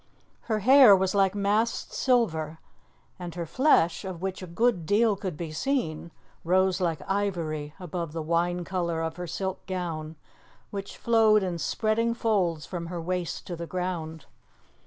Her hair was like massed silver, and her flesh of which a good deal could be seen rose like ivory above the wine colour of her silk gown, which flowed in spreading folds from her waist to the ground.